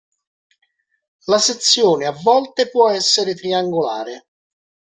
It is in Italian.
La sezione a volte può essere triangolare.